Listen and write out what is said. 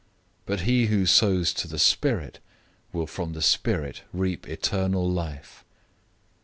But he who sows to the Spirit will from the Spirit reap eternal life.